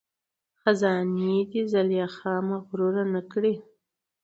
خزانې دي زلیخا مغروره نه کړي